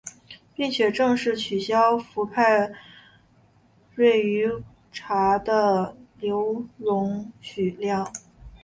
并且正式取消氟派瑞于茶的留容许量。